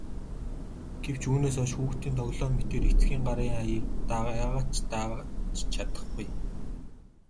Гэвч үүнээс хойш хүүхдийн тоглоом мэтээр эцгийн гарын аяыг яагаад ч дагаж чадахгүй.